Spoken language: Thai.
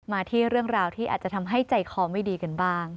มาที่เรื่องราวที่อาจจะทำให้ใจคอไม่ดีกันบ้าง